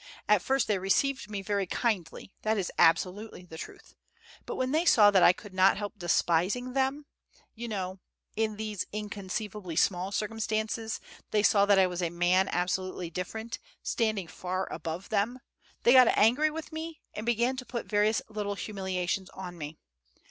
At first they received me very kindly, that is absolutely the truth; but when they saw that I could not help despising them, you know, in these inconceivably small circumstances, they saw that I was a man absolutely different, standing far above them, they got angry with me, and began to put various little humiliations on me.